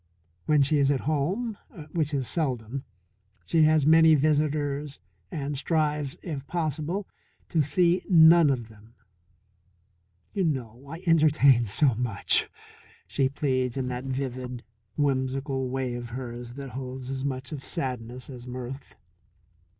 When she is at home which is seldom she has many visitors and strives, if possible, to see none of them. "You know, I entertain so much," she pleads in that vivid, whimsical way of hers that holds as much of sadness as mirth.